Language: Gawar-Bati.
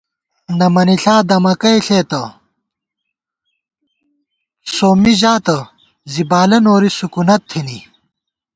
نہ مَنِݪا دَمکی ݪېتہ، سومّی ژاتہ ، زی بالہ نوری تونی سکُونت تھنی